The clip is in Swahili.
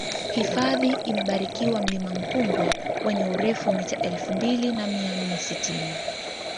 hifadhi imebarikiwa mlima nkungwe wenye urefu mita elfu mbili na mia nne sitini